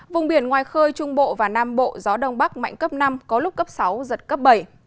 vùng biển ngoài khơi trung bộ và nam bộ gió đông bắc mạnh cấp năm có lúc cấp sáu giật cấp bảy